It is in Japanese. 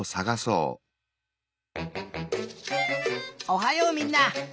おはようみんな！